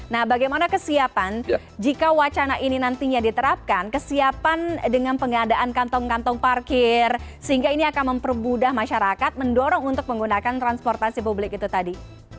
nah bagaimana kesiapan jika wacana ini nantinya diterapkan kesiapan dengan pengadaan kantong kantong parkir sehingga ini akan mempermudah masyarakat mendorong untuk menggunakan transportasi publik itu tadi